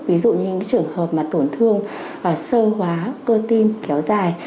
ví dụ như những trường hợp mà tổn thương sơ hóa cơ tim kéo dài